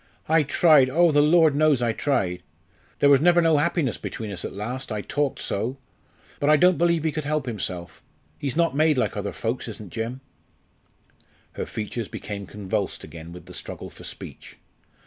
I tried, oh! the Lord knows I tried! There was never no happiness between us at last, I talked so. But I don't believe he could help himself he's not made like other folks, isn't Jim " Her features became convulsed again with the struggle for speech.